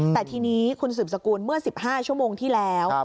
แต่ทีนี้คุณสืบสกุลเมื่อ๑๕ชั่วโมงที่แล้ว